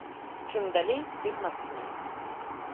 Чым далей, тым мацней.